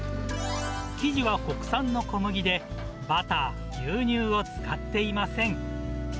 生地は国産の小麦で、バター、牛乳を使っていません。